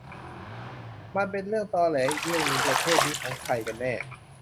มันเป็นเรื่องตอแหลอีกเรื่อง ประเทศนี้ของใครกันแน่ ?